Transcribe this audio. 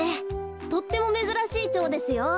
とってもめずらしいチョウですよ。